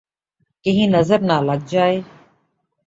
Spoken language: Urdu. !کہیں نظر نہ لگ جائے